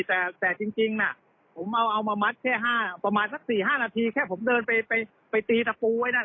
แต่จริงน่ะผมเอามามัดแค่ประมาณสัก๔๕นาทีแค่ผมเดินไปตีตะปูไว้นั่น